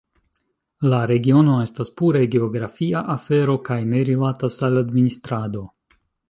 La regiono estas pure geografia afero kaj ne rilatas al administrado.